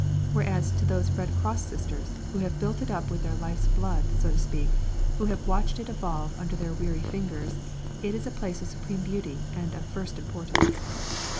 Whereas to those Red Cross sisters, who have built it up with their life's blood, so to speak, who have watched it evolve under their weary fingers, it is a place of supreme beauty and first importance.